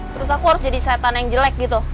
terus aku harus jadi setan yang jelek gitu